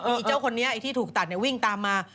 มีเจ้าคนนี้ไอ้ที่ถูกตัดวิ่งตามมา